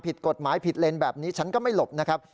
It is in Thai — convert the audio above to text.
ผิดกฎหมายผิดเลนแบบนี้ฉันก็ไม่หลบนะครับ